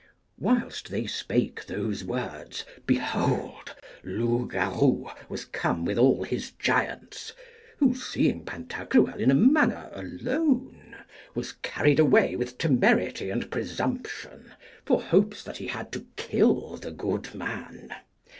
Whilst they spake those words, behold! Loupgarou was come with all his giants, who, seeing Pantagruel in a manner alone, was carried away with temerity and presumption, for hopes that he had to kill the good man.